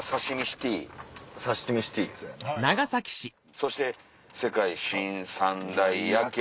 そして世界新三大夜景。